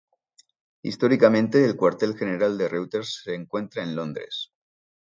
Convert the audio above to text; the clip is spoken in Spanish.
Históricamente, el cuartel general de Reuters se encuentra en Londres.